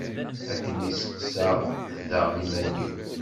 Akken i steqsaɣ daɣen iman-iw.